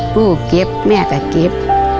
ลูกเก็บแม่ก็เก็บ